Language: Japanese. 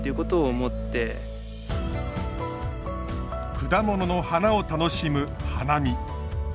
果物の花を楽しむ花見。